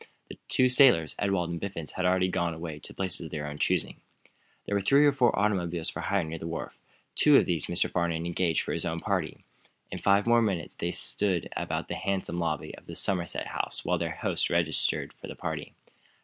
The two sailors, Ewald and Biffens, had already gone away to places of their own choosing. There were three or four automobiles for hire near the wharf. Two of these Mr. Farnum engaged for his own party. In five minutes more they stood about in the handsome lobby of the Somerset House while their host registered for the party.